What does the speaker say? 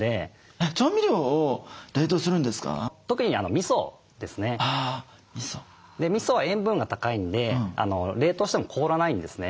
みそは塩分が高いんで冷凍しても凍らないんですね。